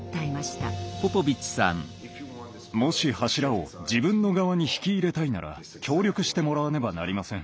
もし柱を自分の側に引き入れたいなら協力してもらわねばなりません。